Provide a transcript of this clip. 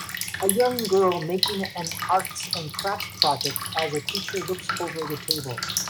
A young girl making an arts and crafts project as a teacher looks over the table.